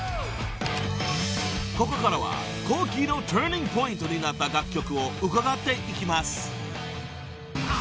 ［ここからは後期のターニングポイントになった楽曲を伺っていきます］